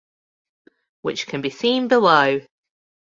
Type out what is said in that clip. Which can be seen below